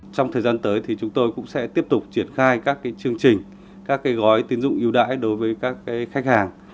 trong thời gian tới thì chúng tôi cũng sẽ tiếp tục triển khai các chương trình các gói tiến dụng yêu đãi đối với các khách hàng